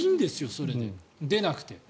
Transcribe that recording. それで、出なくて。